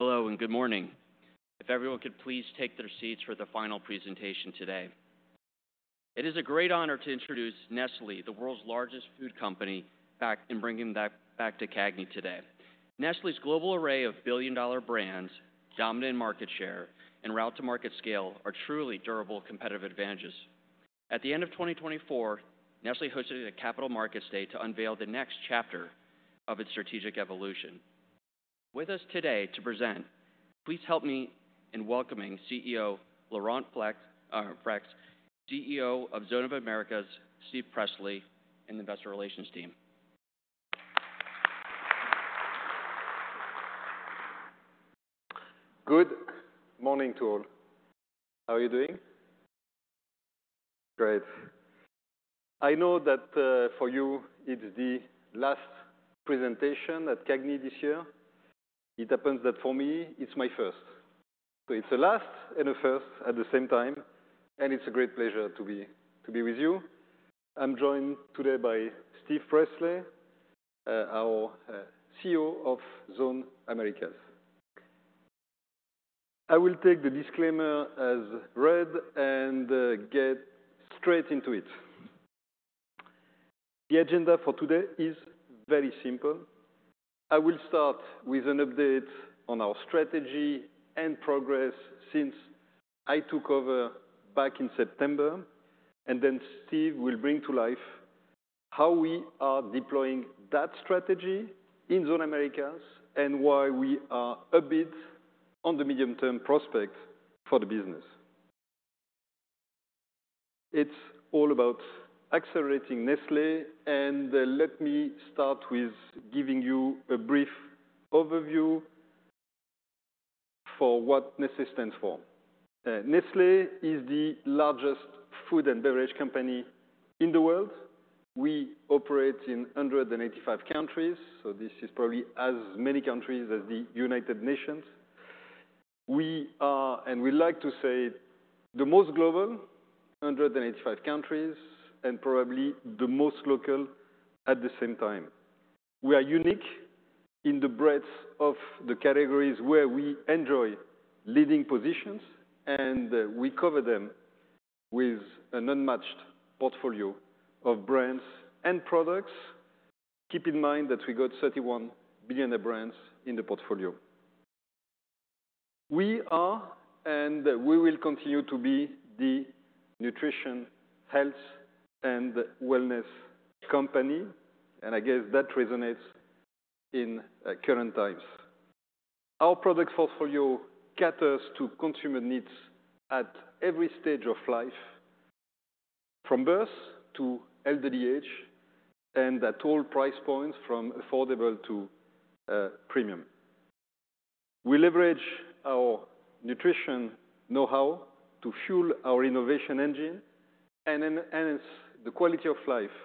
Hello, and good morning. If everyone could please take their seats for the final presentation today. It is a great honor to introduce Nestlé, the world's largest food company, back and bringing that back to CAGNY today. Nestlé's global array of billion-dollar brands, dominant market share, and route-to-market scale are truly durable competitive advantages. At the end of 2024, Nestlé hosted a capital markets day to unveil the next chapter of its strategic evolution. With us today to present, please help me in welcoming CEO Laurent Freixe, CEO of Zone Americas, Steve Presley, and the investor relations team. Good morning to all. How are you doing? Great. I know that for you, it's the last presentation at CAGNY this year. It happens that for me, it's my first. So it's a last and a first at the same time, and it's a great pleasure to be with you. I'm joined today by Steve Presley, our CEO of Zone Americas. I will take the disclaimer as read and get straight into it. The agenda for today is very simple. I will start with an update on our strategy and progress since I took over back in September, and then Steve will bring to life how we are deploying that strategy in Zone Americas and why we are upbeat on the medium-term prospects for the business. It's all about accelerating Nestlé, and let me start with giving you a brief overview for what Nestlé stands for. Nestlé is the largest food and beverage company in the world. We operate in 185 countries, so this is probably as many countries as the United Nations. We are, and we like to say, the most global, 185 countries, and probably the most local at the same time. We are unique in the breadth of the categories where we enjoy leading positions, and we cover them with an unmatched portfolio of brands and products. Keep in mind that we got 31 billionaire brands in the portfolio. We are, and we will continue to be, the nutrition, health, and wellness company, and I guess that resonates in current times. Our product portfolio caters to consumer needs at every stage of life, from birth to elderly age, and at all price points, from affordable to premium. We leverage our nutrition know-how to fuel our innovation engine, and enhance the quality of life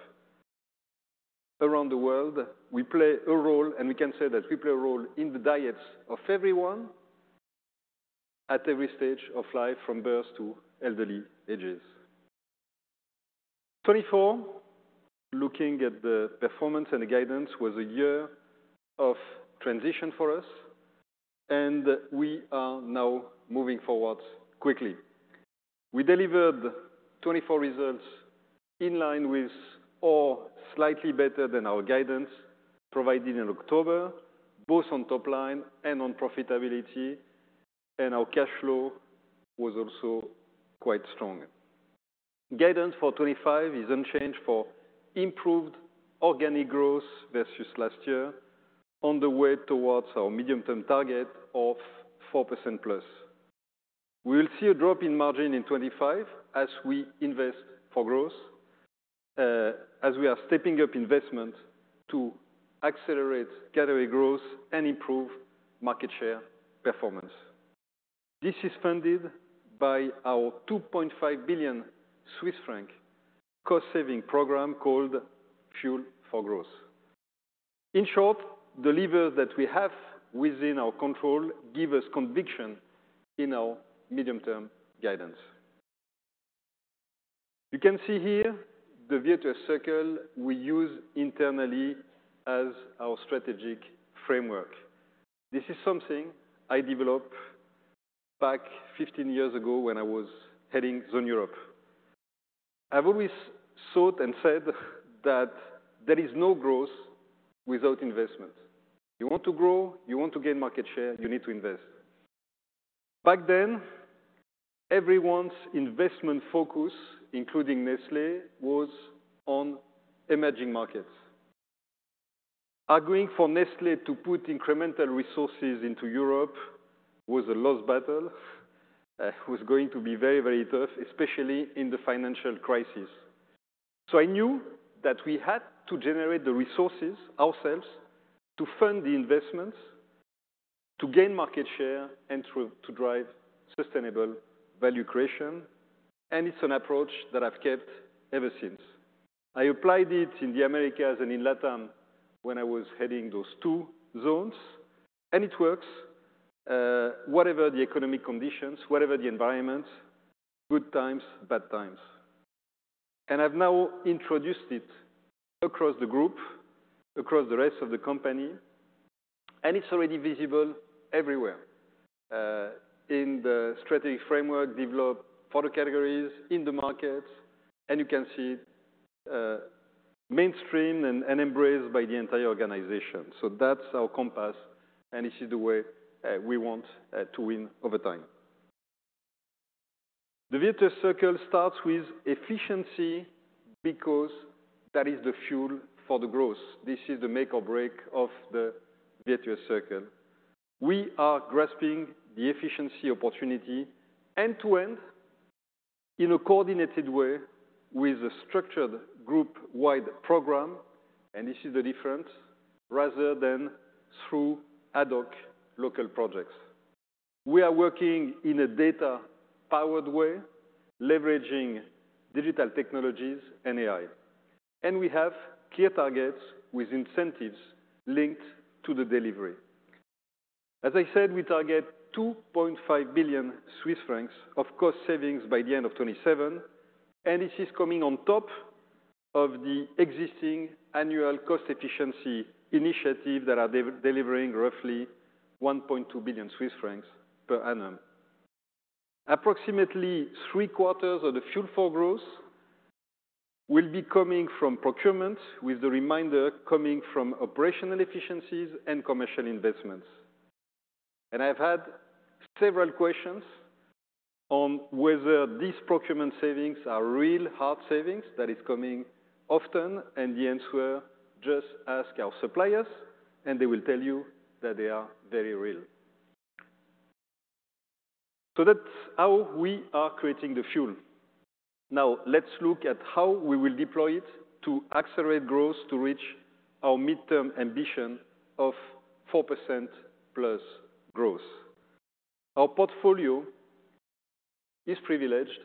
around the world. We play a role, and we can say that we play a role in the diets of everyone at every stage of life, from birth to elderly ages. 2024, looking at the performance and the guidance, was a year of transition for us, and we are now moving forward quickly. We delivered 24 results in line with, or slightly better than our guidance provided in October, both on top line and on profitability, and our cash flow was also quite strong. Guidance for 2025 is unchanged for improved organic growth versus last year, on the way towards our medium-term target of 4% plus. We will see a drop in margin in 2025 as we invest for growth, as we are stepping up investment to accelerate category growth and improve market share performance. This is funded by our 2.5 billion Swiss franc cost-saving program called Fuel for Growth. In short, the levers that we have within our control give us conviction in our medium-term guidance. You can see here the virtuous circle we use internally as our strategic framework. This is something I developed back 15 years ago when I was heading Zone Europe. I've always thought and said that there is no growth without investment. You want to grow, you want to gain market share, you need to invest. Back then, everyone's investment focus, including Nestlé, was on emerging markets. Arguing for Nestlé to put incremental resources into Europe was a lost battle. It was going to be very, very tough, especially in the financial crisis. So I knew that we had to generate the resources ourselves to fund the investments, to gain market share, and to drive sustainable value creation. And it's an approach that I've kept ever since. I applied it in the Americas and in LATAM when I was heading those two zones, and it works, whatever the economic conditions, whatever the environment, good times, bad times. And I've now introduced it across the group, across the rest of the company, and it's already visible everywhere in the strategic framework developed for the categories in the markets, and you can see it mainstreamed and embraced by the entire organization. So that's our compass, and this is the way we want to win over time. The virtuous circle starts with efficiency because that is the Fuel for Growth. This is the make or break of the virtuous circle. We are grasping the efficiency opportunity end-to-end in a coordinated way with a structured group-wide program, and this is the difference, rather than through ad hoc local projects. We are working in a data-powered way, leveraging digital technologies and AI, and we have clear targets with incentives linked to the delivery. As I said, we target 2.5 billion Swiss francs of cost savings by the end of 2027, and this is coming on top of the existing annual cost efficiency initiative that is delivering roughly 1.2 billion Swiss francs per annum. Approximately three quarters of the Fuel for Growth will be coming from procurement, with the remainder coming from operational efficiencies and commercial investments. I've had several questions on whether these procurement savings are real hard savings that are coming often, and the answer is just ask our suppliers, and they will tell you that they are very real. So that's how we are creating the fuel. Now, let's look at how we will deploy it to accelerate growth to reach our midterm ambition of 4% plus growth. Our portfolio is privileged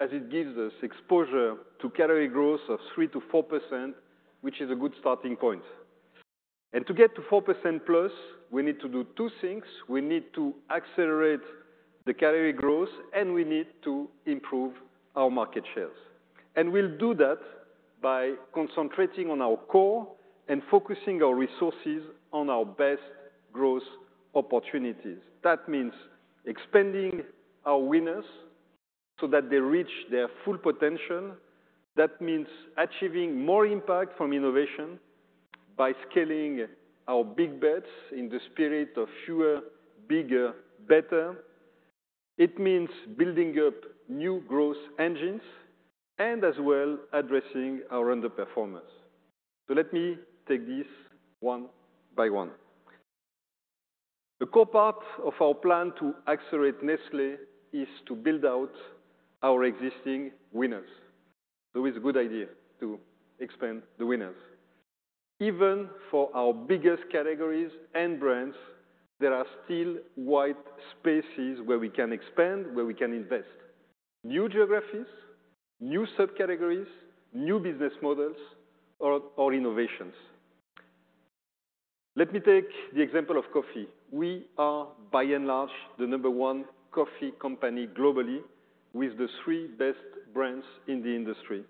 as it gives us exposure to category growth of 3%-4%, which is a good starting point. And to get to 4% plus, we need to do two things. We need to accelerate the category growth, and we need to improve our market shares. And we'll do that by concentrating on our core and focusing our resources on our best growth opportunities. That means expanding our winners so that they reach their full potential. That means achieving more impact from innovation by scaling our big bets in the spirit of fewer, bigger, better. It means building up new growth engines and as well addressing our underperformance. So let me take this one by one. The core part of our plan to accelerate Nestlé is to build out our existing winners. So it's a good idea to expand the winners. Even for our biggest categories and brands, there are still white spaces where we can expand, where we can invest. New geographies, new subcategories, new business models, or innovations. Let me take the example of coffee. We are, by and large, the number one coffee company globally, with the three best brands in the industry.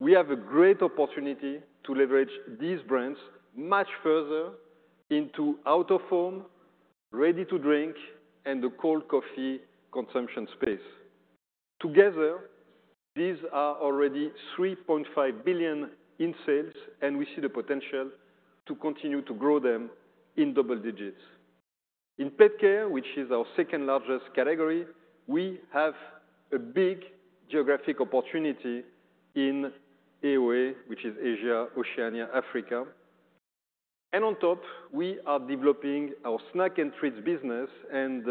We have a great opportunity to leverage these brands much further into at-home form, ready to drink, and the cold coffee consumption space. Together, these are already 3.5 billion in sales, and we see the potential to continue to grow them in double digits. In pet care, which is our second largest category, we have a big geographic opportunity in AOA, which is Asia, Oceania, Africa, and on top, we are developing our snack and treats business, and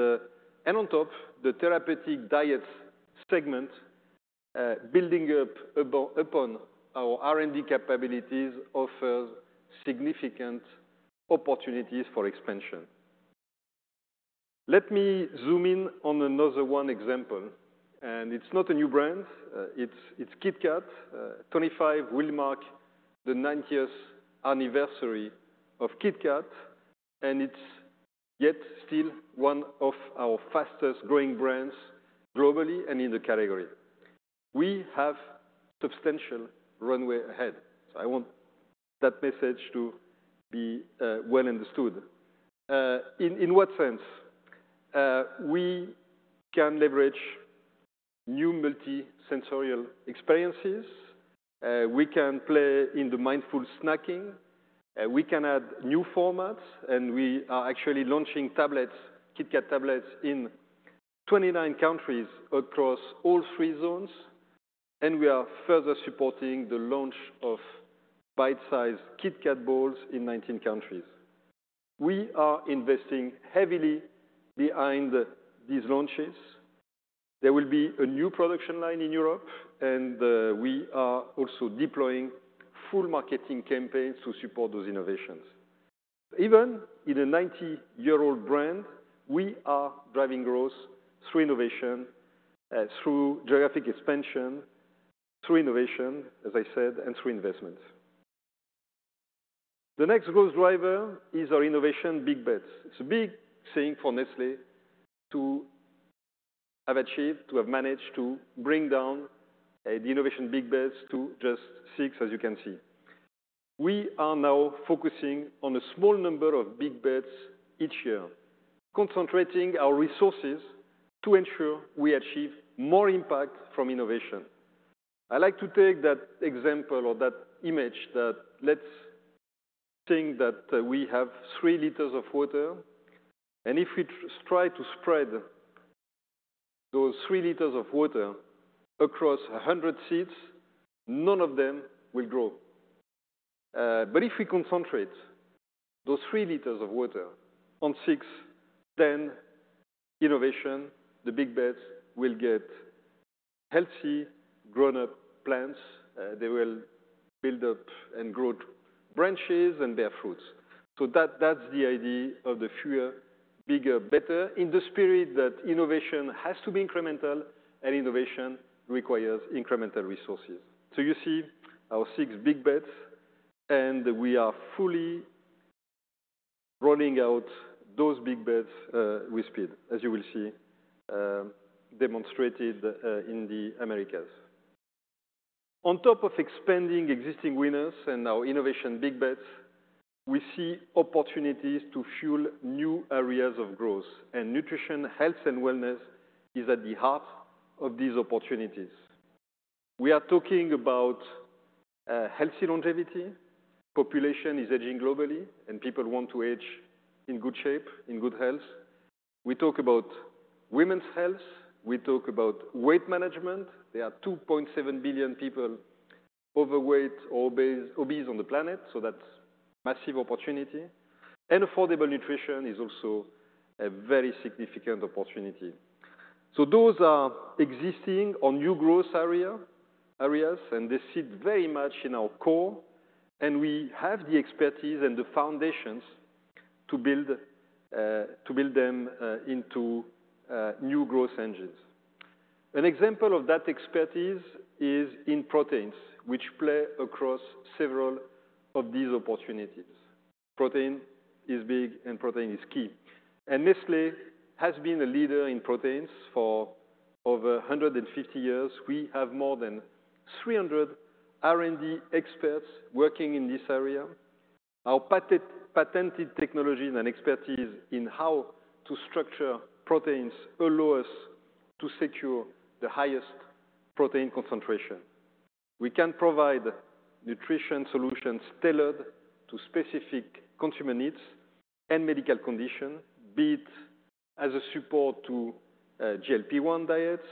on top, the therapeutic diets segment, building up upon our R&D capabilities, offers significant opportunities for expansion. Let me zoom in on another one example, and it's not a new brand. It's KitKat. 2025 will mark the 90th anniversary of KitKat, and it's yet still one of our fastest growing brands globally and in the category. We have a substantial runway ahead, so I want that message to be well understood. In what sense? We can leverage new multisensorial experiences. We can play in the mindful snacking. We can add new formats, and we are actually launching tablets, KitKat tablets, in 29 countries across all three zones, and we are further supporting the launch of bite-sized KitKat balls in 19 countries. We are investing heavily behind these launches. There will be a new production line in Europe, and we are also deploying full marketing campaigns to support those innovations. Even in a 90-year-old brand, we are driving growth through innovation, through geographic expansion, through innovation, as I said, and through investments. The next growth driver is our innovation big bets. It's a big thing for Nestlé to have achieved, to have managed to bring down the innovation big bets to just six, as you can see. We are now focusing on a small number of big bets each year, concentrating our resources to ensure we achieve more impact from innovation. I like to take that example or that image that lets us think that we have three liters of water, and if we try to spread those three liters of water across 100 seeds, none of them will grow, but if we concentrate those three liters of water on six, then innovation, the big bets, will get healthy, grown-up plants. They will build up and grow branches and bear fruits, so that's the idea of the fewer, bigger, better, in the spirit that innovation has to be incremental and innovation requires incremental resources, so you see our six big bets, and we are fully rolling out those big bets with speed, as you will see demonstrated in the Americas. On top of expanding existing winners and our innovation big bets, we see opportunities to fuel new areas of growth, and nutrition, health, and wellness is at the heart of these opportunities. We are talking about healthy longevity. Population is aging globally, and people want to age in good shape, in good health. We talk about women's health. We talk about weight management. There are 2.7 billion people overweight or obese on the planet, so that's a massive opportunity. And affordable nutrition is also a very significant opportunity. So those are existing or new growth areas, and they sit very much in our core, and we have the expertise and the foundations to build them into new growth engines. An example of that expertise is in proteins, which play across several of these opportunities. Protein is big, and protein is key. Nestlé has been a leader in proteins for over 150 years. We have more than 300 R&D experts working in this area. Our patented technology and expertise in how to structure proteins allow us to secure the highest protein concentration. We can provide nutrition solutions tailored to specific consumer needs and medical conditions, be it as a support to GLP-1 diets,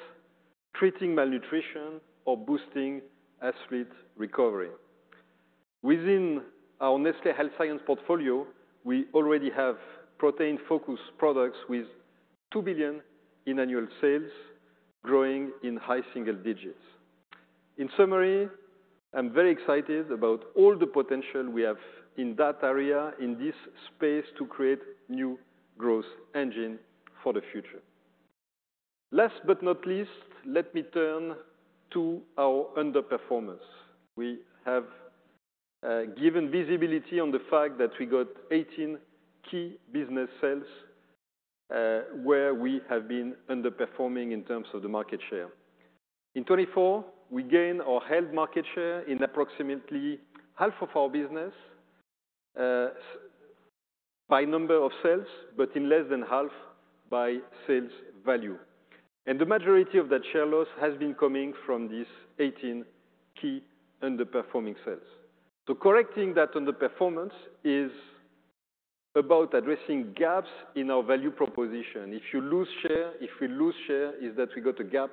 treating malnutrition, or boosting athlete recovery. Within our Nestlé Health Science portfolio, we already have protein-focused products with 2 billion in annual sales, growing in high single digits. In summary, I'm very excited about all the potential we have in that area, in this space, to create new growth engines for the future. Last but not least, let me turn to our underperformance. We have given visibility on the fact that we got 18 key business cells where we have been underperforming in terms of the market share. In 2024, we gained or held market share in approximately half of our business by number of cells, but in less than half by sales value. And the majority of that share loss has been coming from these 18 key underperforming cells. So correcting that underperformance is about addressing gaps in our value proposition. If we lose share, it's that we've got a gap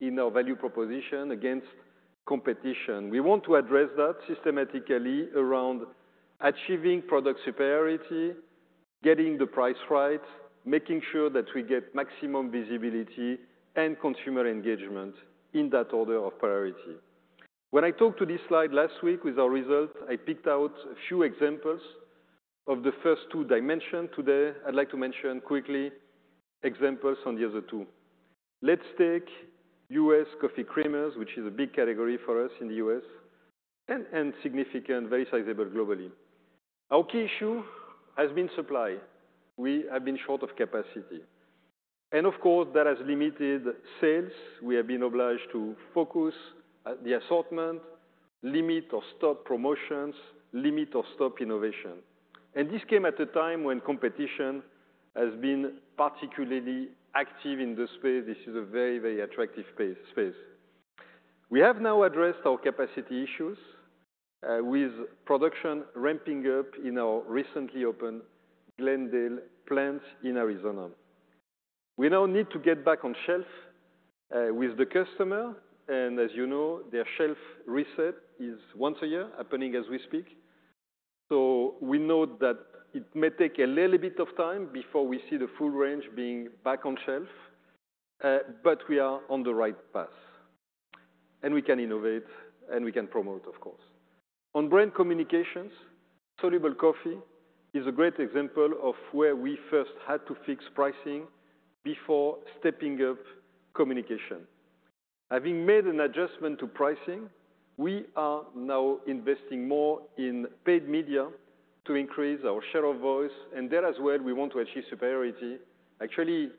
in our value proposition against competition. We want to address that systematically around achieving product superiority, getting the price right, making sure that we get maximum visibility and consumer engagement in that order of priority. When I talked to this slide last week with our results, I picked out a few examples of the first two dimensions today. I'd like to mention quickly examples on the other two. Let's take U.S. coffee creamers, which is a big category for us in the U.S. and significant, very sizable globally. Our key issue has been supply. We have been short of capacity. And of course, that has limited sales. We have been obliged to focus on the assortment, limit or stop promotions, limit or stop innovation. And this came at a time when competition has been particularly active in the space. This is a very, very attractive space. We have now addressed our capacity issues with production ramping up in our recently opened Glendale plant in Arizona. We now need to get back on shelf with the customer, and as you know, their shelf reset is once a year happening as we speak. So we know that it may take a little bit of time before we see the full range being back on shelf, but we are on the right path. And we can innovate, and we can promote, of course. On brand communications, soluble coffee is a great example of where we first had to fix pricing before stepping up communication. Having made an adjustment to pricing, we are now investing more in paid media to increase our share of voice, and there as well, we want to achieve superiority. Actually,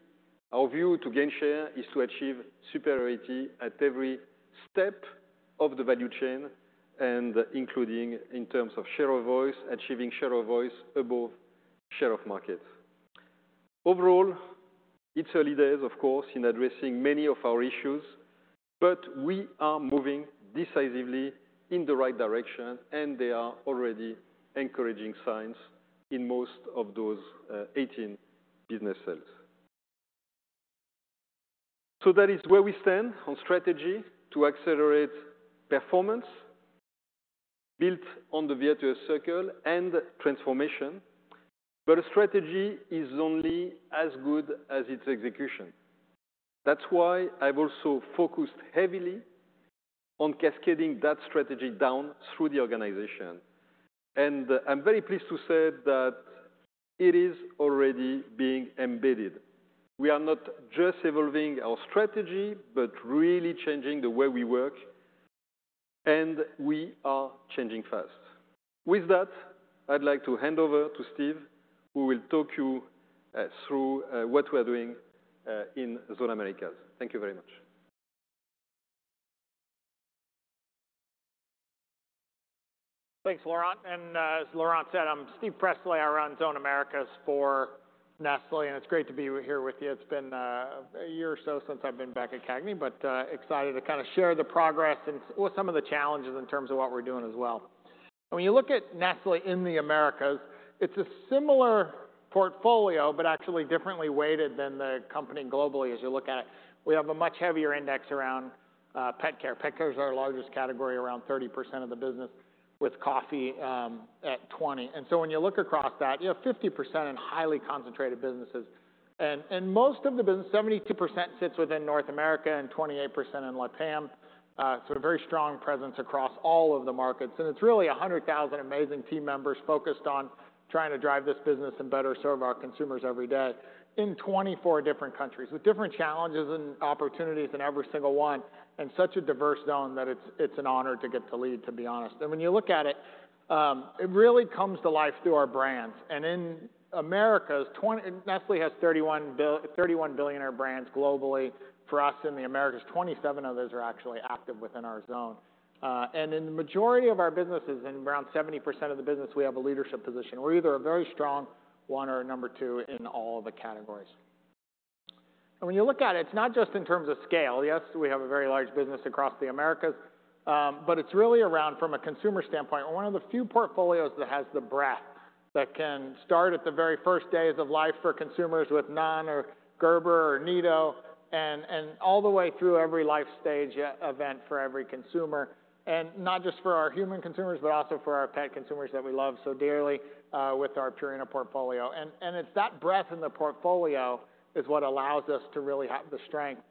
our view to gain share is to achieve superiority at every step of the value chain, including in terms of share of voice, achieving share of voice above share of market. Overall, it's early days, of course, in addressing many of our issues, but we are moving decisively in the right direction, and there are already encouraging signs in most of those 18 business cells. So that is where we stand on strategy to accelerate performance, built on the virtuous circle and transformation, but a strategy is only as good as its execution. That's why I've also focused heavily on cascading that strategy down through the organization. And I'm very pleased to say that it is already being embedded. We are not just evolving our strategy, but really changing the way we work, and we are changing fast. With that, I'd like to hand over to Steve, who will talk you through what we are doing in Zone Americas. Thank you very much. Thanks, Laurent. As Laurent said, I'm Steve Presley, I run Zone Americas for Nestlé, and it's great to be here with you. It's been a year or so since I've been back at CAGNY, but excited to kind of share the progress and some of the challenges in terms of what we're doing as well. When you look at Nestlé in the Americas, it's a similar portfolio, but actually differently weighted than the company globally as you look at it. We have a much heavier index around pet care. Pet care is our largest category, around 30% of the business, with coffee at 20%. So when you look across that, you have 50% in highly concentrated businesses. Most of the business, 72% sits within North America and 28% in LATAM. So a very strong presence across all of the markets. It's really 100,000 amazing team members focused on trying to drive this business and better serve our consumers every day in 24 different countries with different challenges and opportunities in every single one and such a diverse zone that it's an honor to get to lead, to be honest. When you look at it, it really comes to life through our brands. In America, Nestlé has 31 billionaire brands globally. For us in the Americas, 27 of those are actually active within our zone. In the majority of our businesses, in around 70% of the business, we have a leadership position. We're either a very strong one or a number two in all of the categories. When you look at it, it's not just in terms of scale. Yes, we have a very large business across the America, but it's really around, from a consumer standpoint, one of the few portfolios that has the breadth that can start at the very first days of life for consumers with NAN or Gerber or Nido and all the way through every life stage event for every consumer, and not just for our human consumers, but also for our pet consumers that we love so dearly with our Purina portfolio, and it's that breadth in the portfolio that allows us to really have the strength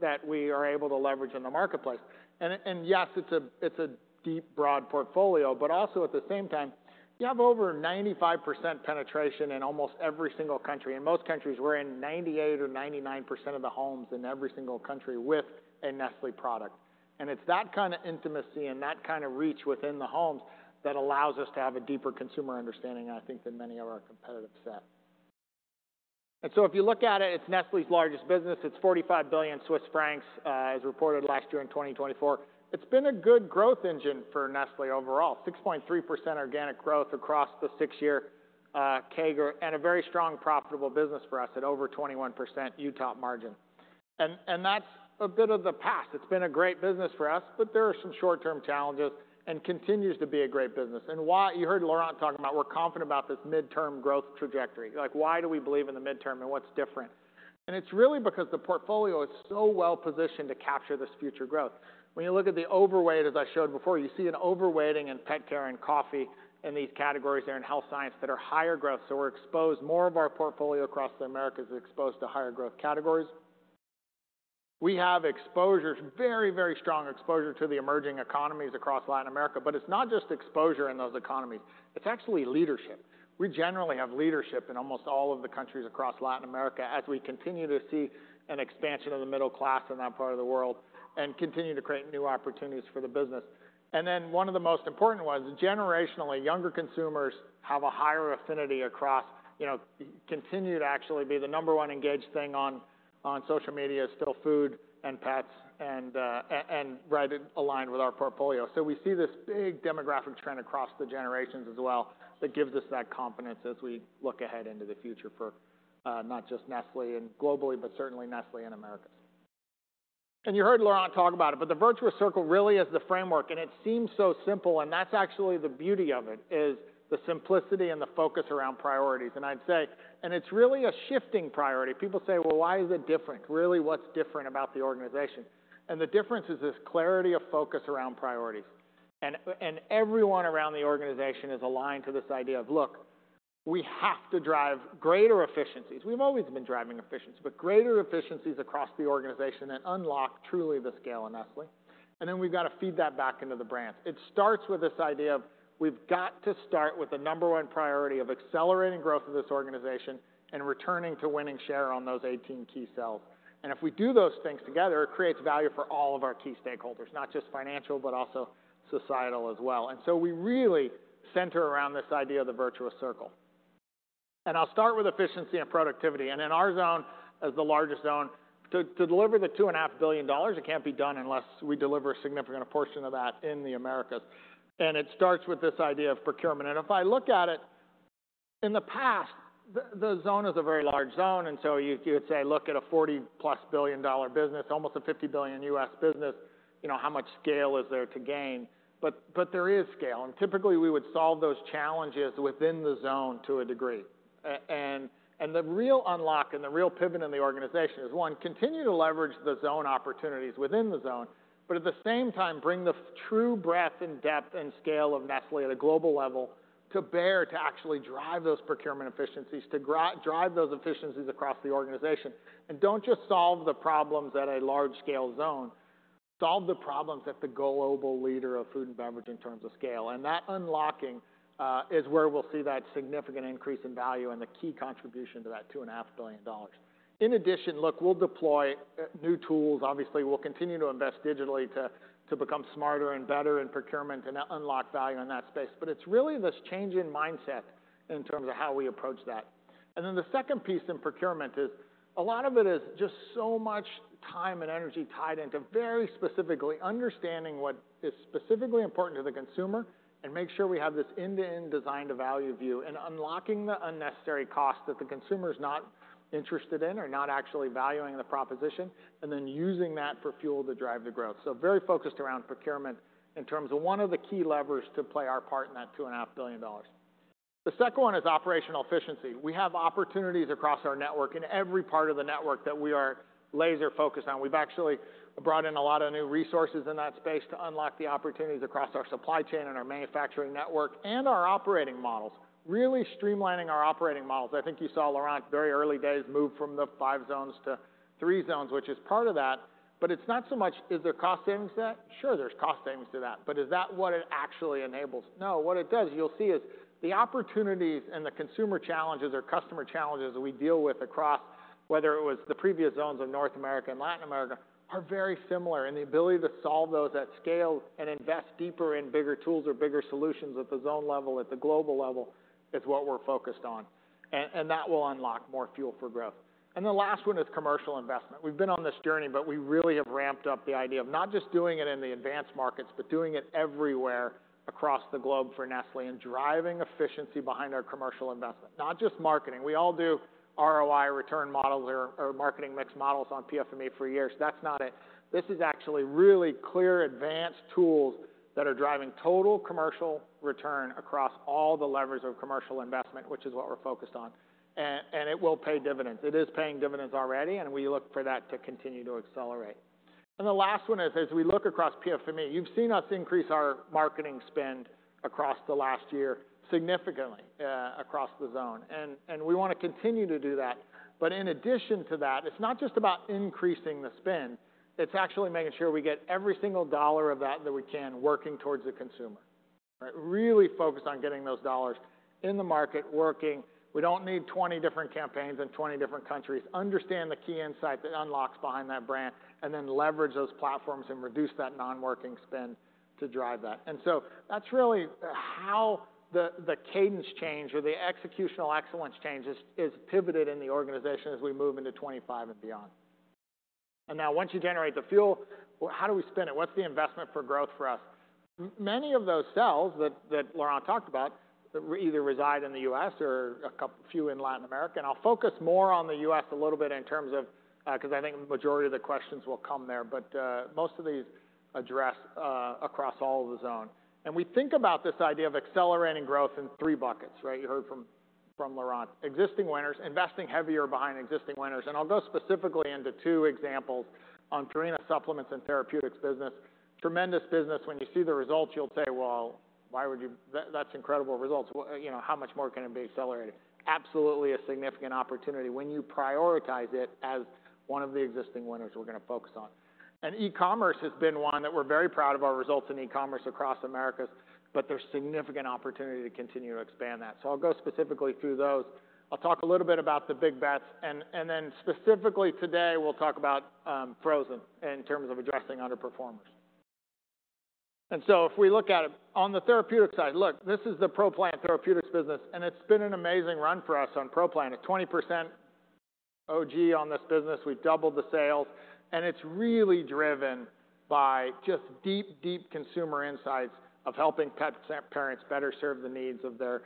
that we are able to leverage in the marketplace, and yes, it's a deep, broad portfolio, but also at the same time, you have over 95% penetration in almost every single country. In most countries, we're in 98%-99% of the homes in every single country with a Nestlé product. And it's that kind of intimacy and that kind of reach within the homes that allows us to have a deeper consumer understanding, I think, than many of our competitors have. And so if you look at it, it's Nestlé's largest business. It's 45 billion Swiss francs as reported last year in 2024. It's been a good growth engine for Nestlé overall, 6.3% organic growth across the six-year CAGR and a very strong, profitable business for us at over 21% UTOP margin. And that's a bit of the past. It's been a great business for us, but there are some short-term challenges and continues to be a great business. And you heard Laurent talk about, we're confident about this midterm growth trajectory. Why do we believe in the midterm and what's different? And it's really because the portfolio is so well positioned to capture this future growth. When you look at the overweight, as I showed before, you see an overweighting in pet care and coffee in these categories there in health science that are higher growth. So we're exposed, more of our portfolio across the America is exposed to higher growth categories. We have exposure, very, very strong exposure to the emerging economies across Latin America, but it's not just exposure in those economies. It's actually leadership. We generally have leadership in almost all of the countries across Latin America as we continue to see an expansion of the middle class in that part of the world and continue to create new opportunities for the business. Then one of the most important ones, generationally, younger consumers have a higher affinity across, continue to actually be the number one engaged thing on social media, still food and pets, and right aligned with our portfolio. So we see this big demographic trend across the generations as well that gives us that confidence as we look ahead into the future for not just Nestlé globally, but certainly Nestlé in America. And you heard Laurent talk about it, but the Virtuous Circle really is the framework, and it seems so simple, and that's actually the beauty of it, is the simplicity and the focus around priorities. And I'd say, and it's really a shifting priority. People say, well, why is it different? Really, what's different about the organization? And the difference is this clarity of focus around priorities. And everyone around the organization is aligned to this idea of, look, we have to drive greater efficiencies. We've always been driving efficiencies, but greater efficiencies across the organization that unlock truly the scale in Nestlé. And then we've got to feed that back into the brands. It starts with this idea of we've got to start with the number one priority of accelerating growth of this organization and returning to winning share on those 18 key sales. And if we do those things together, it creates value for all of our key stakeholders, not just financial, but also societal as well. And so we really center around this idea of the virtuous circle. And I'll start with efficiency and productivity. And in our zone, as the largest zone, to deliver the $2.5 billion, it can't be done unless we deliver a significant portion of that in the America. And it starts with this idea of procurement. And if I look at it, in the past, the zone is a very large zone. And so you would say, look at a $40-plus billion business, almost a $50 billion U.S. business, how much scale is there to gain? But there is scale. And typically, we would solve those challenges within the zone to a degree. And the real unlock and the real pivot in the organization is, one, continue to leverage the zone opportunities within the zone, but at the same time, bring the true breadth and depth and scale of Nestlé at a global level to bear to actually drive those procurement efficiencies, to drive those efficiencies across the organization. And don't just solve the problems at a large-scale zone. Solve the problems at the global leader of food and beverage in terms of scale. And that unlocking is where we'll see that significant increase in value and the key contribution to that $2.5 billion. In addition, look, we'll deploy new tools. Obviously, we'll continue to invest digitally to become smarter and better in procurement and unlock value in that space. But it's really this change in mindset in terms of how we approach that, and then the second piece in procurement is a lot of it is just so much time and energy tied into very specifically understanding what is specifically important to the consumer and make sure we have this end-to-end designed value view and unlocking the unnecessary costs that the consumer is not interested in or not actually valuing the proposition and then using that for fuel to drive the growth, so very focused around procurement in terms of one of the key levers to play our part in that $2.5 billion. The second one is operational efficiency. We have opportunities across our network in every part of the network that we are laser-focused on. We've actually brought in a lot of new resources in that space to unlock the opportunities across our supply chain and our manufacturing network and our operating models, really streamlining our operating models. I think you saw Laurent very early days move from the five zones to three zones, which is part of that. But it's not so much, is there cost savings to that? Sure, there's cost savings to that, but is that what it actually enables? No, what it does, you'll see, is the opportunities and the consumer challenges or customer challenges we deal with across, whether it was the previous zones of North America and Latin America, are very similar. And the ability to solve those at scale and invest deeper in bigger tools or bigger solutions at the zone level, at the global level, is what we're focused on. And that will unlock more fuel for growth. And the last one is commercial investment. We've been on this journey, but we really have ramped up the idea of not just doing it in the advanced markets, but doing it everywhere across the globe for Nestlé and driving efficiency behind our commercial investment. Not just marketing. We all do ROI return models or marketing mix models on PFME for years. That's not it. This is actually really clear advanced tools that are driving total commercial return across all the levers of commercial investment, which is what we're focused on. And it will pay dividends. It is paying dividends already, and we look for that to continue to accelerate. And the last one is, as we look across PFME, you've seen us increase our marketing spend across the last year significantly across the zone. And we want to continue to do that. But in addition to that, it's not just about increasing the spend. It's actually making sure we get every single dollar of that that we can working towards the consumer. Really focus on getting those dollars in the market working. We don't need 20 different campaigns in 20 different countries. Understand the key insight that unlocks behind that brand and then leverage those platforms and reduce that non-working spend to drive that. And so that's really how the cadence change or the executional excellence change is pivoted in the organization as we move into 2025 and beyond. And now, once you generate the fuel, how do we spend it? What's the investment for growth for us? Many of those cells that Laurent talked about either reside in the U.S. or a few in Latin America. And I'll focus more on the U.S. a little bit in terms of, because I think the majority of the questions will come there, but most of these address across all of the zone. And we think about this idea of accelerating growth in three buckets, right? You heard from Laurent. Existing winners, investing heavier behind existing winners. And I'll go specifically into two examples on Purina Supplements and Therapeutics business. Tremendous business. When you see the results, you'll say, well, why would you? That's incredible results. How much more can it be accelerated? Absolutely a significant opportunity when you prioritize it as one of the existing winners we're going to focus on. E-commerce has been one that we're very proud of our results in e-commerce across America, but there's significant opportunity to continue to expand that. So I'll go specifically through those. I'll talk a little bit about the big bets. And then specifically today, we'll talk about frozen in terms of addressing underperformers. And so if we look at it on the therapeutic side, look, this is the Pro Plan Therapeutics business, and it's been an amazing run for us on Pro Plan. A 20% OG on this business. We've doubled the sales, and it's really driven by just deep, deep consumer insights of helping pet parents better serve the needs of their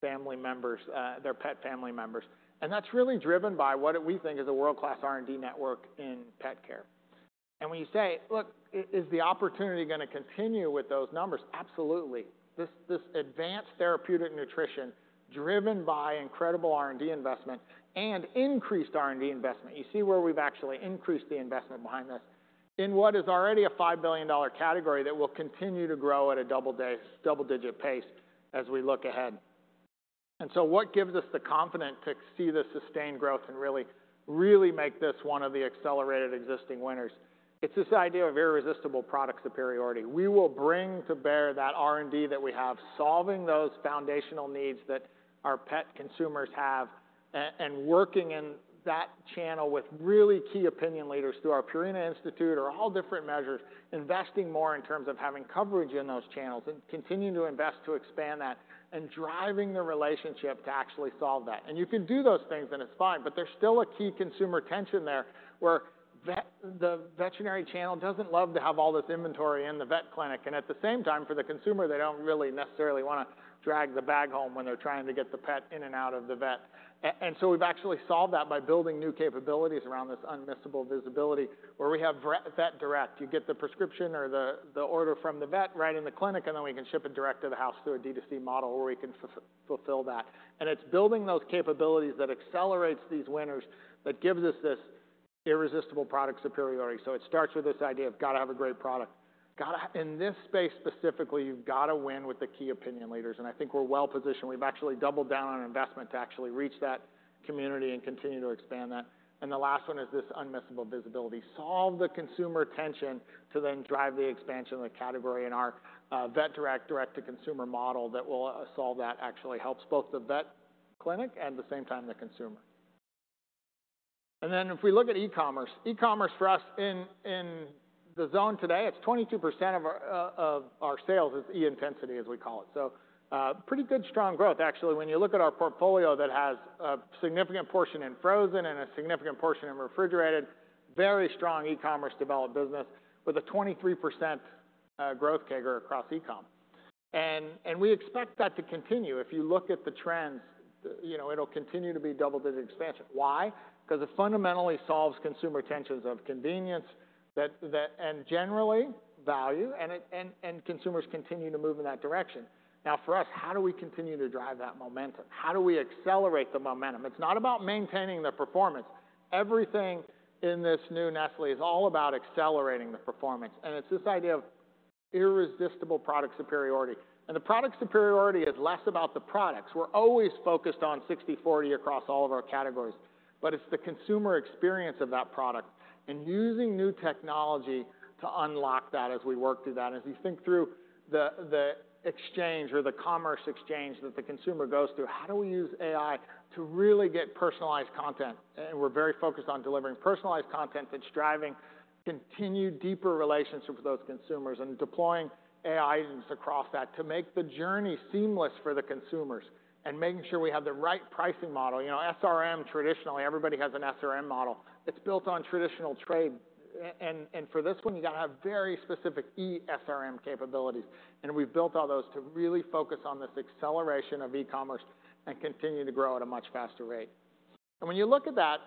family members, their pet family members. And that's really driven by what we think is a world-class R&D network in pet care. And when you say, look, is the opportunity going to continue with those numbers? Absolutely. This advanced therapeutic nutrition driven by incredible R&D investment and increased R&D investment. You see where we've actually increased the investment behind this in what is already a $5 billion category that will continue to grow at a double-digit pace as we look ahead. And so what gives us the confidence to see the sustained growth and really, really make this one of the accelerated existing winners? It's this idea of irresistible product superiority. We will bring to bear that R&D that we have, solving those foundational needs that our pet consumers have, and working in that channel with really key opinion leaders through our Purina Institute or all different measures, investing more in terms of having coverage in those channels and continuing to invest to expand that and driving the relationship to actually solve that. And you can do those things, and it's fine, but there's still a key consumer tension there where the veterinary channel doesn't love to have all this inventory in the vet clinic. And at the same time, for the consumer, they don't really necessarily want to drag the bag home when they're trying to get the pet in and out of the vet. And so we've actually solved that by building new capabilities around this unmissable visibility where we have Vet Direct. You get the prescription or the order from the vet right in the clinic, and then we can ship it direct to the house through a D2C model where we can fulfill that. And it's building those capabilities that accelerates these winners that gives us this irresistible product superiority. So it starts with this idea of got to have a great product. In this space specifically, you've got to win with the key opinion leaders. And I think we're well positioned. We've actually doubled down on investment to actually reach that community and continue to expand that. And the last one is this unmissable visibility. Solve the consumer tension to then drive the expansion of the category in our Vet Direct, direct to consumer model that will solve that, actually helps both the vet clinic and at the same time the consumer. And then if we look at e-commerce, e-commerce for us in the zone today, it's 22% of our sales is e-intensity, as we call it. So pretty good, strong growth. Actually, when you look at our portfolio that has a significant portion in frozen and a significant portion in refrigerated, very strong e-commerce developed business with a 23% growth CAGR across e-com. And we expect that to continue. If you look at the trends, it'll continue to be double-digit expansion. Why? Because it fundamentally solves consumer tensions of convenience and generally value, and consumers continue to move in that direction. Now, for us, how do we continue to drive that momentum? How do we accelerate the momentum? It's not about maintaining the performance. Everything in this new Nestlé is all about accelerating the performance. And it's this idea of irresistible product superiority. And the product superiority is less about the products. We're always focused on 60-40 across all of our categories, but it's the consumer experience of that product and using new technology to unlock that as we work through that. As you think through the exchange or the commerce exchange that the consumer goes through, how do we use AI to really get personalized content? And we're very focused on delivering personalized content that's driving continued deeper relationships with those consumers and deploying AI across that to make the journey seamless for the consumers and making sure we have the right pricing model. SRM, traditionally, everybody has an SRM model. It's built on traditional trade. And for this one, you got to have very specific eSRM capabilities. And we've built all those to really focus on this acceleration of e-commerce and continue to grow at a much faster rate. And when you look at that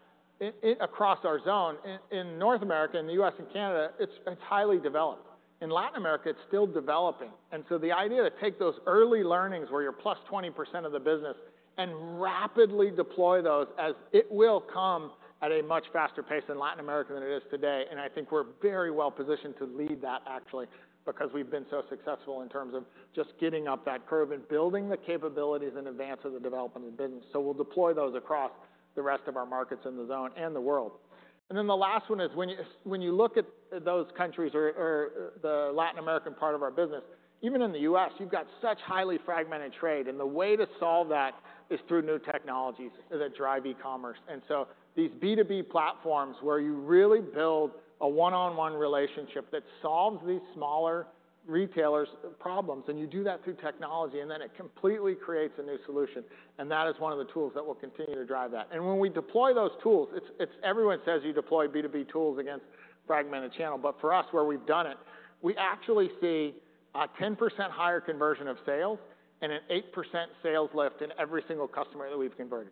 across our zone in North America and the U.S. and Canada, it's highly developed. In Latin America, it's still developing. And so the idea to take those early learnings where you're plus 20% of the business and rapidly deploy those as it will come at a much faster pace in Latin America than it is today. And I think we're very well positioned to lead that actually because we've been so successful in terms of just getting up that curve and building the capabilities in advance of the development of the business. So we'll deploy those across the rest of our markets in the zone and the world. And then the last one is when you look at those countries or the Latin American part of our business, even in the U.S., you've got such highly fragmented trade. And the way to solve that is through new technologies that drive e-commerce. And so these B2B platforms where you really build a one-on-one relationship that solves these smaller retailers' problems, and you do that through technology, and then it completely creates a new solution. And that is one of the tools that will continue to drive that. And when we deploy those tools, everyone says you deploy B2B tools against fragmented channel. But for us, where we've done it, we actually see a 10% higher conversion of sales and an 8% sales lift in every single customer that we've converted.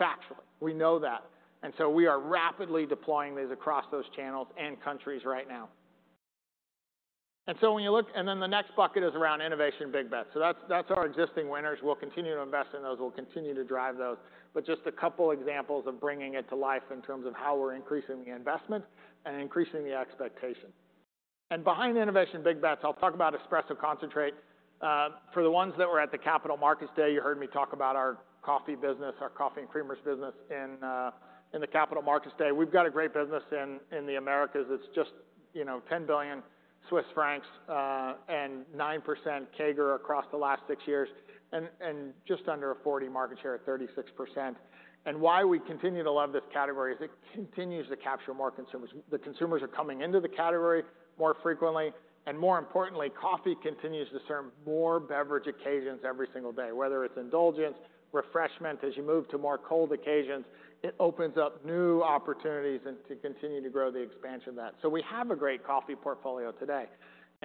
Factually, we know that. And so we are rapidly deploying these across those channels and countries right now. And so when you look, and then the next bucket is around innovation big bets. So that's our existing winners. We'll continue to invest in those. We'll continue to drive those. But just a couple of examples of bringing it to life in terms of how we're increasing the investment and increasing the expectation. And behind innovation big bets, I'll talk about espresso concentrate. For the ones that were at the Capital Markets Day, you heard me talk about our coffee business, our coffee and creamers business in the Capital Markets Day. We've got a great business in the America. It's just 10 billion Swiss francs and 9% CAGR across the last six years and just under 40% market share at 36%. Why we continue to love this category is it continues to capture more consumers. The consumers are coming into the category more frequently. More importantly, coffee continues to serve more beverage occasions every single day, whether it's indulgence, refreshment. As you move to more cold occasions, it opens up new opportunities and to continue to grow the expansion of that. We have a great coffee portfolio today.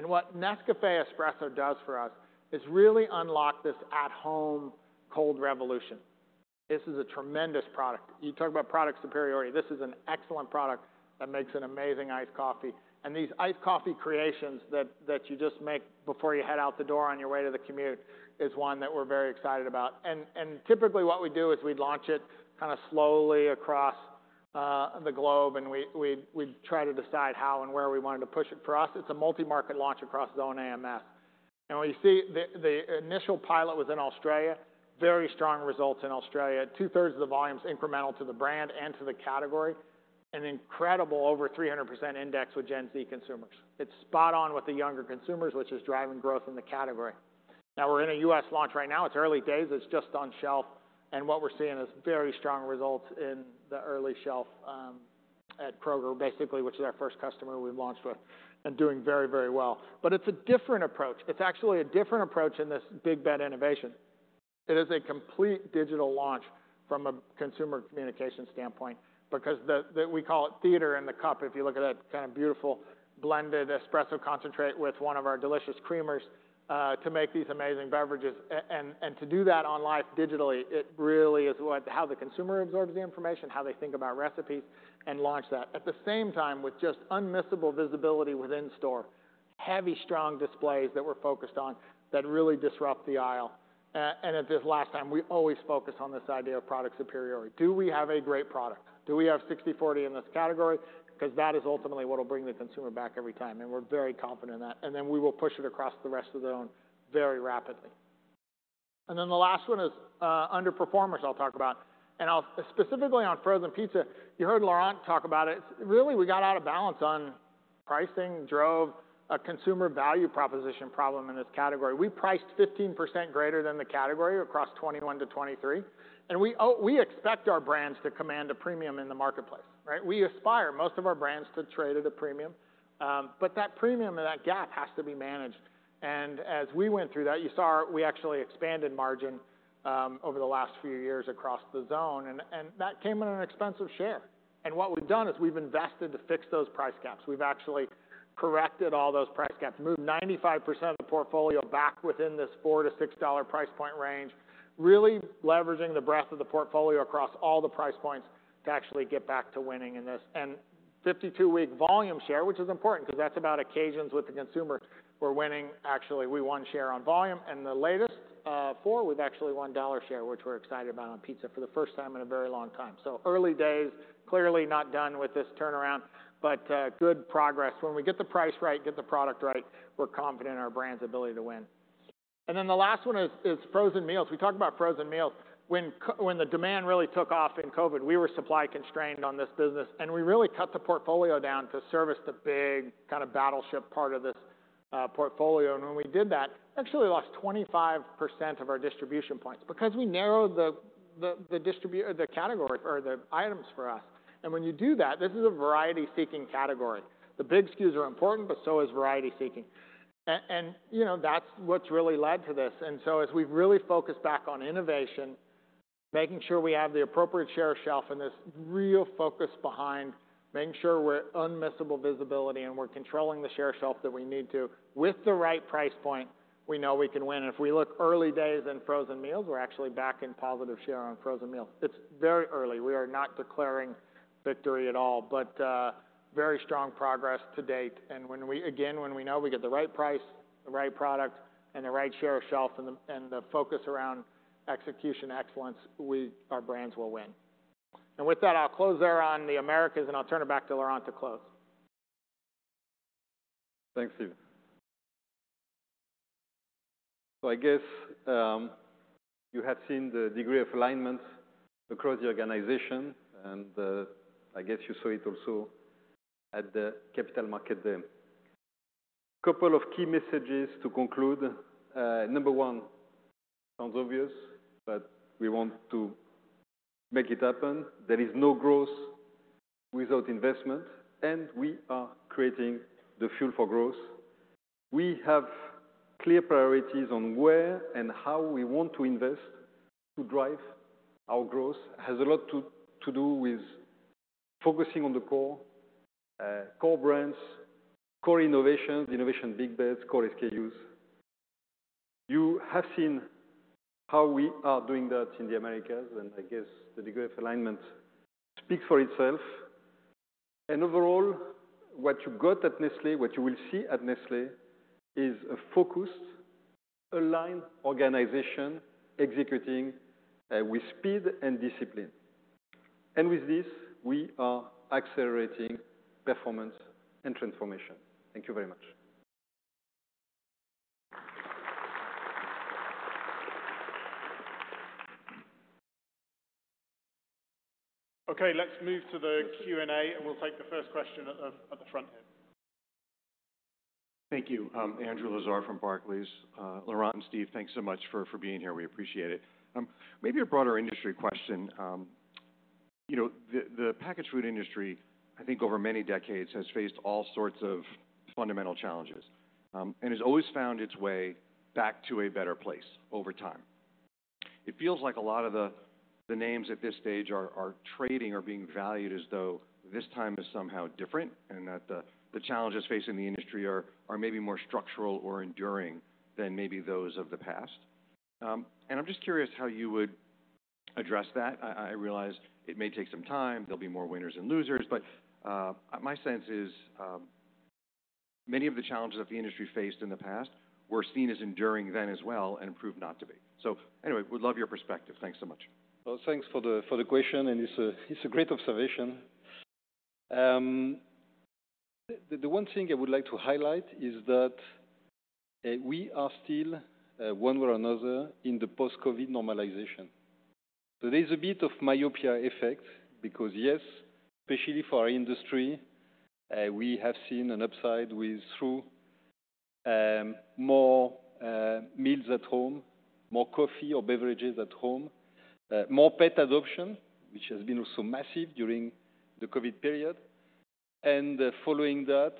What Nescafé Espresso does for us is really unlock this at-home cold revolution. This is a tremendous product. You talk about product superiority. This is an excellent product that makes an amazing iced coffee. And these iced coffee creations that you just make before you head out the door on your way to the commute is one that we're very excited about. And typically what we do is we launch it kind of slowly across the globe, and we try to decide how and where we wanted to push it. For us, it's a multi-market launch across Zone AMS. And when you see the initial pilot was in Australia, very strong results in Australia. Two-thirds of the volume is incremental to the brand and to the category. An incredible over 300% index with Gen Z consumers. It's spot on with the younger consumers, which is driving growth in the category. Now we're in a U.S. launch right now. It's early days. It's just on shelf. What we're seeing is very strong results in the early shelf at Kroger, basically, which is our first customer we've launched with and doing very, very well. It's a different approach. It's actually a different approach in this big bet innovation. It is a complete digital launch from a consumer communication standpoint because we call it theater in the cup. If you look at that kind of beautiful blended espresso concentrate with one of our delicious creamers to make these amazing beverages. To do that online digitally, it really is how the consumer absorbs the information, how they think about recipes and launch that. At the same time with just unmissable visibility within store, heavy strong displays that we're focused on that really disrupt the aisle. At all times, we always focus on this idea of product superiority. Do we have a great product? Do we have 60-40 in this category? Because that is ultimately what will bring the consumer back every time. And we're very confident in that. And then we will push it across the rest of the zone very rapidly. And then the last one is underperformers I'll talk about. And specifically on frozen pizza, you heard Laurent talk about it. Really, we got out of balance on pricing, drove a consumer value proposition problem in this category. We priced 15% greater than the category across 2021-2023. And we expect our brands to command a premium in the marketplace. We aspire most of our brands to trade at a premium, but that premium and that gap has to be managed. And as we went through that, you saw we actually expanded margin over the last few years across the zone. And that came at the expense of share. What we've done is we've invested to fix those price gaps. We've actually corrected all those price gaps, moved 95% of the portfolio back within this $4-$6 price point range, really leveraging the breadth of the portfolio across all the price points to actually get back to winning in this. And 52-week volume share, which is important because that's about occasions with the consumer. We're winning actually. We won share on volume. And the latest four, we've actually won dollar share, which we're excited about on pizza for the first time in a very long time. So early days, clearly not done with this turnaround, but good progress. When we get the price right, get the product right, we're confident in our brand's ability to win. And then the last one is frozen meals. We talked about frozen meals. When the demand really took off in COVID, we were supply constrained on this business, and we really cut the portfolio down to service the big kind of battleship part of this portfolio. And when we did that, actually lost 25% of our distribution points because we narrowed the category or the items for us. And when you do that, this is a variety-seeking category. The big SKUs are important, but so is variety-seeking. And that's what's really led to this. And so as we've really focused back on innovation, making sure we have the appropriate share shelf and this real focus behind making sure we're unmissable visibility and we're controlling the share shelf that we need to with the right price point, we know we can win. And if we look early days in frozen meals, we're actually back in positive share on frozen meals. It's very early. We are not declaring victory at all, but very strong progress to date. And again, when we know we get the right price, the right product, and the right share of shelf and the focus around execution excellence, our brands will win. And with that, I'll close there on the America, and I'll turn it back to Laurent to close. Thanks, Steve. So I guess you have seen the degree of alignment across the organization, and I guess you saw it also at the Capital Markets Day. A couple of key messages to conclude. Number one, it sounds obvious, but we want to make it happen. There is no growth without investment, and we are creating the Fuel for Growth. We have clear priorities on where and how we want to invest to drive our growth. It has a lot to do with focusing on the core, core brands, core innovations, innovation big bets, core SKUs. You have seen how we are doing that in the America, and I guess the degree of alignment speaks for itself. And overall, what you got at Nestlé, what you will see at Nestlé is a focused, aligned organization executing with speed and discipline. And with this, we are accelerating performance and transformation. Thank you very much. Okay, let's move to the Q&A, and we'll take the first question at the front here. Thank you. Andrew Lazar from Barclays. Laurent and Steve, thanks so much for being here. We appreciate it. Maybe a broader industry question. The packaged food industry, I think over many decades, has faced all sorts of fundamental challenges and has always found its way back to a better place over time. It feels like a lot of the names at this stage are trading or being valued as though this time is somehow different and that the challenges facing the industry are maybe more structural or enduring than maybe those of the past, and I'm just curious how you would address that. I realize it may take some time. There'll be more winners and losers, but my sense is many of the challenges that the industry faced in the past were seen as enduring then as well and proved not to be, so anyway, we'd love your perspective. Thanks so much. Thanks for the question, and it's a great observation. The one thing I would like to highlight is that we are still one way or another in the post-COVID normalization. So there's a bit of myopia effect because, yes, especially for our industry, we have seen an upside with more meals at home, more coffee or beverages at home, more pet adoption, which has been also massive during the COVID period. And following that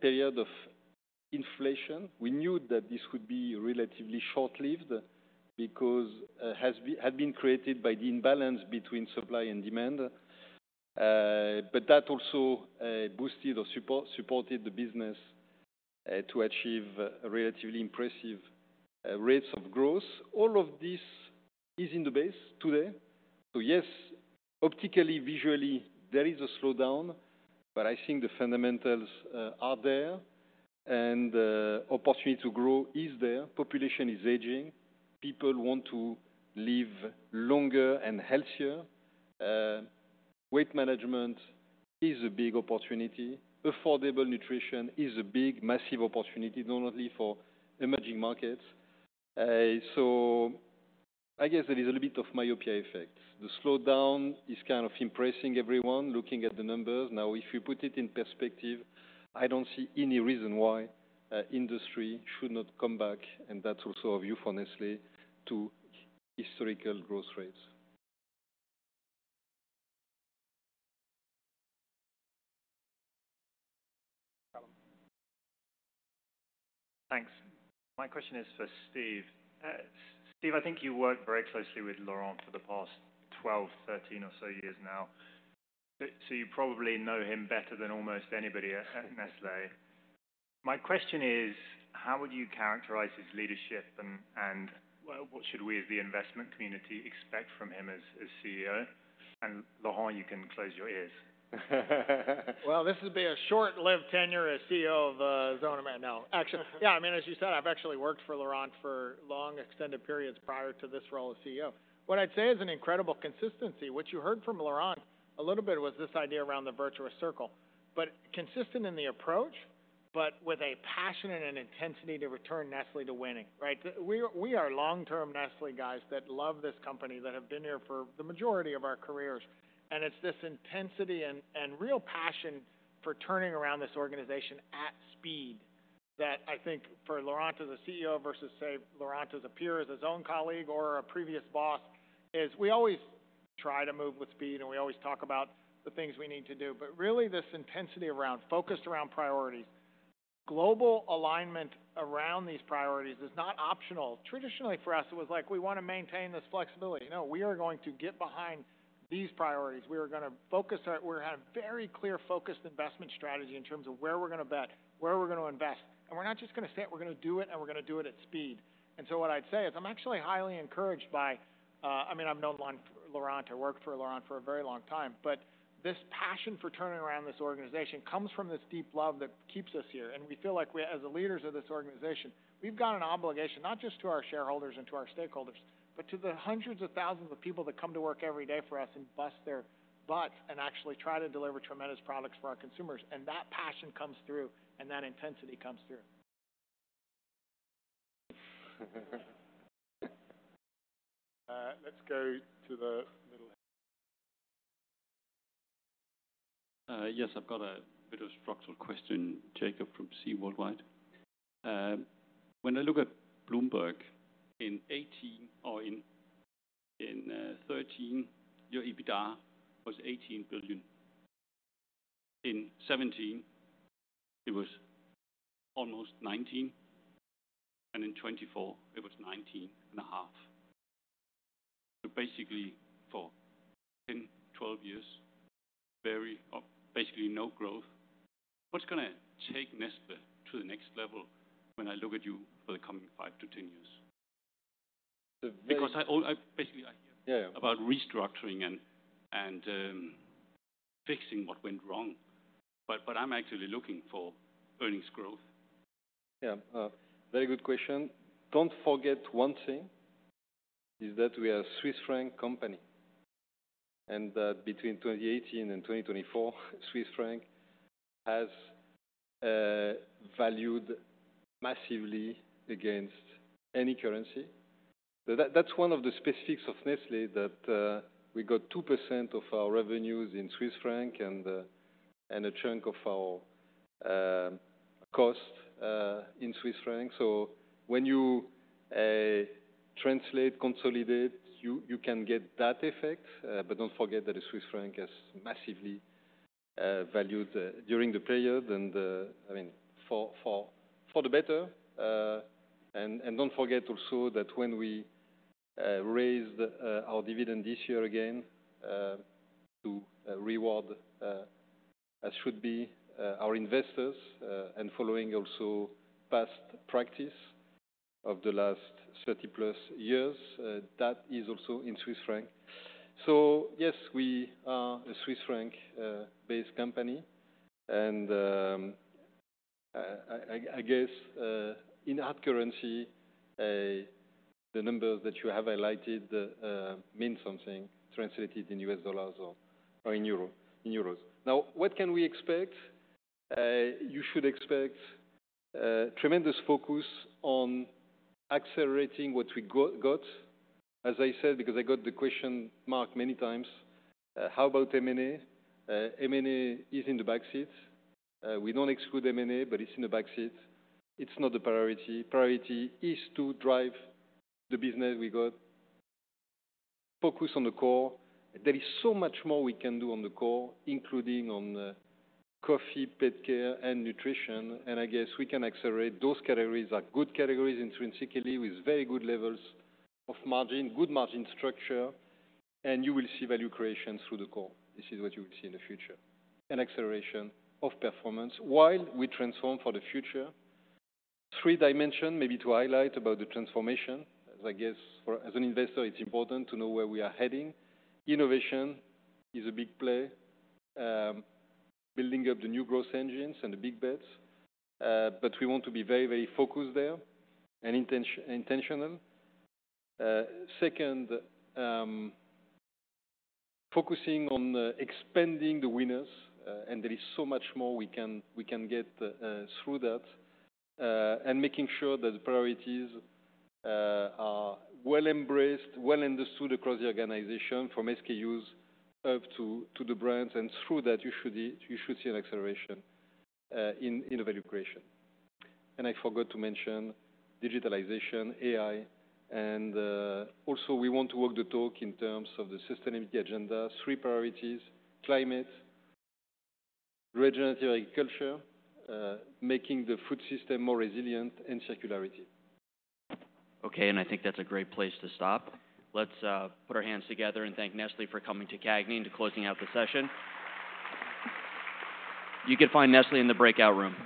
period of inflation, we knew that this would be relatively short-lived because it had been created by the imbalance between supply and demand. But that also boosted or supported the business to achieve relatively impressive rates of growth. All of this is in the base today. So yes, optically, visually, there is a slowdown, but I think the fundamentals are there and the opportunity to grow is there. Population is aging. People want to live longer and healthier. Weight management is a big opportunity. Affordable nutrition is a big, massive opportunity not only for emerging markets. So I guess there is a little bit of myopia effect. The slowdown is kind of impressing everyone looking at the numbers. Now, if you put it in perspective, I don't see any reason why industry should not come back, and that's also a view from Nestlé to historical growth rates. Thanks. My question is for Steve. Steve, I think you worked very closely with Laurent for the past 12, 13 or so years now. So you probably know him better than almost anybody at Nestlé. My question is, how would you characterize his leadership and what should we as the investment community expect from him as CEO? And Laurent, you can close your ears. This has been a short-lived tenure as CEO of Zone Americas. No, actually, yeah, I mean, as you said, I've actually worked for Laurent for long extended periods prior to this role as CEO. What I'd say is an incredible consistency. What you heard from Laurent a little bit was this idea around the virtuous circle, but consistent in the approach, but with a passion and an intensity to return Nestlé to winning. We are long-term Nestlé guys that love this company, that have been here for the majority of our careers. And it's this intensity and real passion for turning around this organization at speed that I think for Laurent as a CEO versus, say, Laurent as a peer, as his own colleague or a previous boss, is we always try to move with speed and we always talk about the things we need to do. But really, this intensity around, focused around priorities, global alignment around these priorities is not optional. Traditionally for us, it was like, we want to maintain this flexibility. No, we are going to get behind these priorities. We are going to focus. We're going to have a very clear focused investment strategy in terms of where we're going to bet, where we're going to invest. And we're not just going to say it, we're going to do it and we're going to do it at speed. And so what I'd say is I'm actually highly encouraged by, I mean, I've known Laurent. I worked for Laurent for a very long time, but this passion for turning around this organization comes from this deep love that keeps us here. And we feel like as the leaders of this organization, we've got an obligation not just to our shareholders and to our stakeholders, but to the hundreds of thousands of people that come to work every day for us and bust their butts and actually try to deliver tremendous products for our consumers. And that passion comes through and that intensity comes through. Let's go to the middle. Yes, I've got a bit of a structural question, Jakob from C WorldWide. When I look at Bloomberg, in 2018 or in 2013, your EBITDA was 18 billion. In 2017, it was almost 19. And in 2024, it was 19 and a half. So basically for 10, 12 years, very basically no growth. What's going to take Nestlé to the next level when I look at you for the coming 5 to 10 years? Because basically I hear about restructuring and fixing what went wrong, but I'm actually looking for earnings growth. Yeah, very good question. Don't forget one thing is that we are a Swiss franc company. And between 2018 and 2024, Swiss franc has valued massively against any currency. That's one of the specifics of Nestlé that we got 2% of our revenues in Swiss franc and a chunk of our cost in Swiss franc. So when you translate, consolidate, you can get that effect. But don't forget that the Swiss franc has massively valued during the period and for the better. And don't forget also that when we raised our dividend this year again to reward as should be our investors and following also past practice of the last 30 plus years, that is also in Swiss franc. So yes, we are a Swiss franc based company. And I guess in hard currency, the numbers that you have highlighted mean something translated in U.S. dollars or in euros. Now, what can we expect? You should expect tremendous focus on accelerating what we got, as I said, because I got the question many times. How about M&A? M&A is in the back seat. We don't exclude M&A, but it's in the back seat. It's not the priority. Priority is to drive the business we got. Focus on the core. There is so much more we can do on the core, including on coffee, pet care, and nutrition. And I guess we can accelerate those categories are good categories intrinsically with very good levels of margin, good margin structure. And you will see value creation through the core. This is what you will see in the future, an acceleration of performance while we transform for the future. Three dimensions, maybe to highlight about the transformation, as I guess as an investor, it's important to know where we are heading. Innovation is a big play building up the new growth engines and the big bets, but we want to be very, very focused there and intentional. Second, focusing on expanding the winners, and there is so much more we can get through that and making sure that the priorities are well embraced, well understood across the organization from SKUs up to the brands, and through that, you should see an acceleration in the value creation, and I forgot to mention digitalization, AI, and also we want to walk the talk in terms of the sustainability agenda, three priorities, climate, regenerative agriculture, making the food system more resilient, and circularity. Okay, and I think that's a great place to stop. Let's put our hands together and thank Nestlé for coming to CAGNY and to closing out the session. You can find Nestlé in the breakout room.